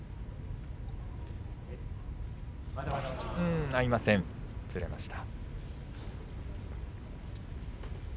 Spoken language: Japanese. まだまだ。合いません、ずれました。